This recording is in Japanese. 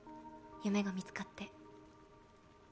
夢が見つかって。